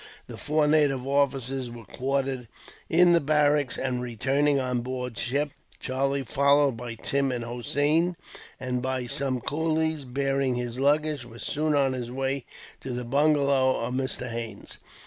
The four native officers were quartered in the barracks; and, returning on board ship, Charlie, followed by Tim and Hossein, and by some coolies bearing his luggage, was soon on his way to the bungalow of Mr. Haines.